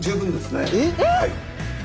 えっ！